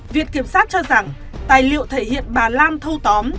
viện kiểm sát cho rằng tài liệu thể hiện bà lan thâu tóm